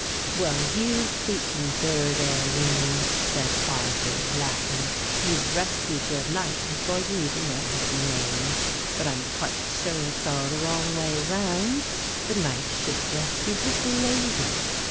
"Well, you've beaten Burd Aline," said Audry, laughing; "you've rescued your knight before you even know his name. But I'm quite sure it's all the wrong way round; the knight should rescue his lady.